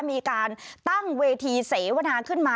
มีการตั้งเวทีเสวนาขึ้นมา